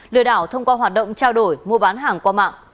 lừa đảo thông qua hoạt động trao đổi mua bán hàng qua mạng